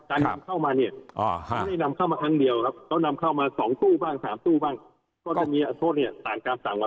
ต่างกรรมเข้ามาเนี่ยไม่ได้นำเข้ามาครั้งเดียวครับเขานำเข้ามา๒ตู้บ้าง๓ตู้บ้าง